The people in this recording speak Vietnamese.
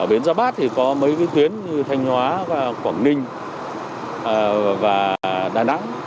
ở biến sapa thì có mấy cái tuyến như thanh hóa quảng ninh và đà nẵng